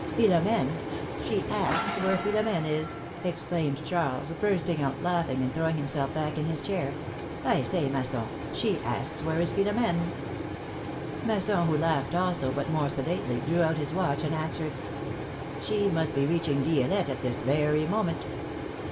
" Philom^ne ! She asks where Philom^ne is ! ex claimed Charles, bursting out laughing and throwing himself back in his chair. say, Masson, she asks where is Philomene ! Masson, who laughed also, but more sedately, drew out his watch and answered : She must be reaching Di^lette at this very moment.